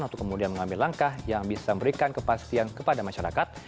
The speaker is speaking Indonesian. untuk kemudian mengambil langkah yang bisa memberikan kepastian kepada masyarakat